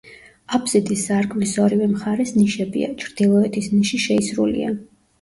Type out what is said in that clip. აფსიდის სარკმლის ორივე მხარეს ნიშებია; ჩრდილოეთის ნიში შეისრულია.